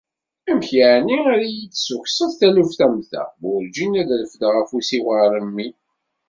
Amek yeεni ara yi-d-tessukseḍ taluft am ta? Werǧin ad refdeɣ afus-iw ɣer mmi.